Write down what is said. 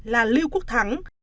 là lưu quốc thắng